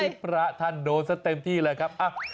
พระท่านโดนซะเต็มที่เลยครับ